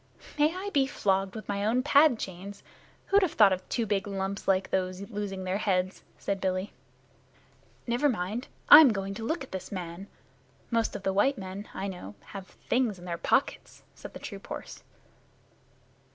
"May I be flogged with my own pad chains! Who'd have thought of two big lumps like those losing their heads?" said Billy. "Never mind. I'm going to look at this man. Most of the white men, I know, have things in their pockets," said the troop horse.